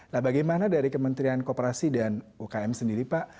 nah bagaimana dari kementerian kooperasi dan ukm sendiri pak